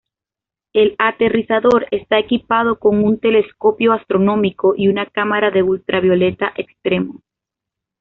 El aterrizador está equipado con un telescopio astronómico y una cámara de ultravioleta extremo.